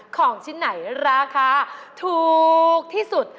ของชิ้นไหนราคาถูกที่สุด